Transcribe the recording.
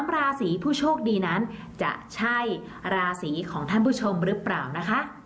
ราศีผู้โชคดีนั้นจะใช่ราศีของท่านผู้ชมหรือเปล่านะคะ